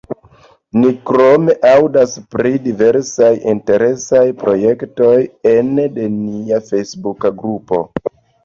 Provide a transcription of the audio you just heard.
Ni krome aŭdas pri diversaj interesaj projektoj ene de nia fejsbuka grupo.